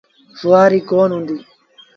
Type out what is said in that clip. سُوآريٚ ڪونا هُݩديٚ۔